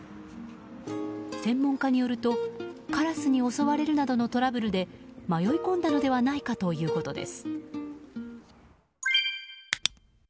専門家によると、カラスに襲われるなどのトラブルで迷い込んだのではないかということです。